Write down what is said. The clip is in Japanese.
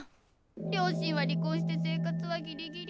両親は離婚して生活はギリギリ。